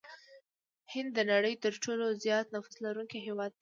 هند د نړۍ ترټولو زيات نفوس لرونکي هېواد دي.